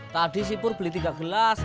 tadi si pur beli tiga gelas